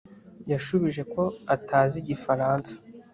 Yashubije ko atazi Igifaransa